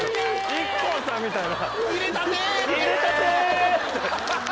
ＩＫＫＯさんみたいな淹れたて！